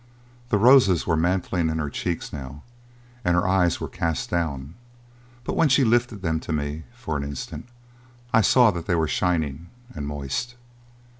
The roses were mantling in her cheeks now and her eyes were cast down, but when she lifted them to me for an instant, I saw that they were shining and moist.